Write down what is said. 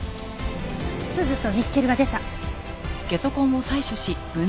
スズとニッケルが出た。